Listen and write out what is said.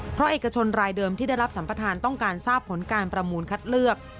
เพราะเอกชนรายเดิมที่ได้รับสัมประธานต้องการทราบผลการประมูลคัดเลือก